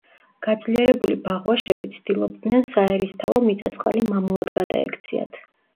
გაძლიერებული ბაღვაშები ცდილობდნენ საერისთავო მიწა-წყალი მამულად გადაექციათ.